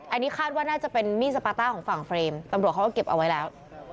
อันนี้คาดว่าน่าจะเป็นมีดสปาต้าของฝั่งเฟรมตำรวจเขาก็เก็บเอาไว้แล้ว